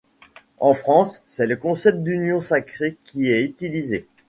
En France, c'est le concept d'Union sacrée qui est utilisé.